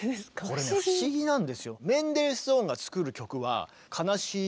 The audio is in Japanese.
これ不思議なんですよ。